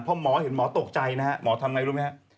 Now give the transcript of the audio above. เพราะเห็นหมอตกใจนะฮะหมอทำอย่างไรรู้ไหมฮะ